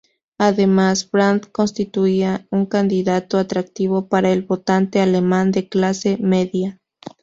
Además, Brandt constituía un candidato atractivo para el votante alemán de clase media.